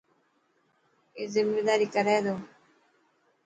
اي زميداري ڪري ٿو.